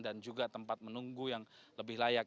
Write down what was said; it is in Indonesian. dan juga tempat menunggu yang lebih layak